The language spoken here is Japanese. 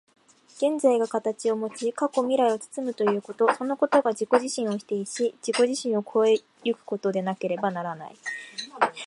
現在が形をもち、過去未来を包むということ、そのことが自己自身を否定し、自己自身を越え行くことでなければならない。